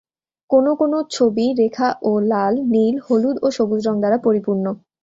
কোনও কোনও ছবি রেখা ও লাল, নীল, হলুদ ও সবুজ রং দ্বারা পরিপূর্ণ।